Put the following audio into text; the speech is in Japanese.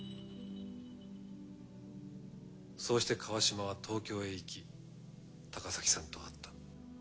そうして川島は東京へ行き高崎さんと会った。